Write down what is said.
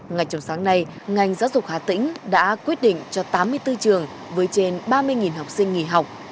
ngay trong sáng nay ngành giáo dục hà tĩnh đã quyết định cho tám mươi bốn trường với trên ba mươi học sinh nghỉ học